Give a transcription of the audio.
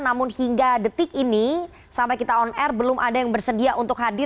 namun hingga detik ini sampai kita on air belum ada yang bersedia untuk hadir